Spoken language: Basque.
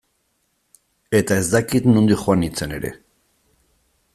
Eta ez dakit nondik joan nintzen ere.